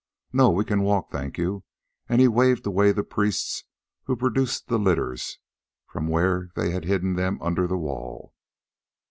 No, we can walk, thank you," and he waved away the priests, who produced the litters from where they had hidden them under the wall.